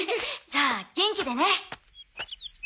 じゃあ元気でね。